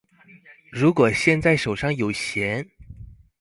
如果現在手上有閒